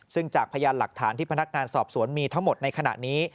ซึ่งจากพยานหลักฐานที่พนักงานสอบสวนมีทั้งหมดในขณะนี้